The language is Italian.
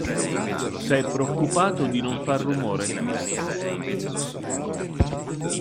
S'è preoccupato di non far rumore.